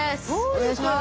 お願いします。